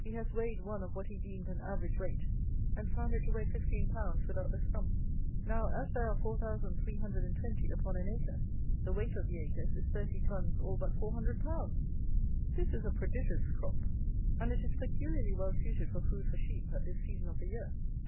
He has weighed one of what he deemed an average weight, and found it to weigh fifteen pounds without the stump. Now, as there are 4,320 upon an acre, the weight of the acres is thirty tons all but 400 pounds! This is a prodigious crop, and it is peculiarly well suited for food for sheep at this season of the year.